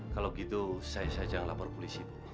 kalau gitu saya saja lapor polisi